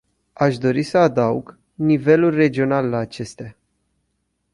Aș dori să adaug nivelul regional la acestea.